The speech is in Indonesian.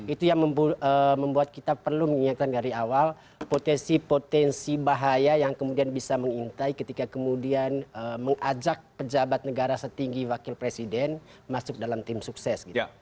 itu yang membuat kita perlu mengingatkan dari awal potensi potensi bahaya yang kemudian bisa mengintai ketika kemudian mengajak pejabat negara setinggi wakil presiden masuk dalam tim sukses